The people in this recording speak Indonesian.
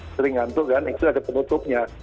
sering ngantuk kan itu ada penutupnya